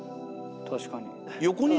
確かに。